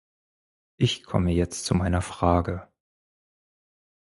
Ich komme jetzt zu meiner Frage.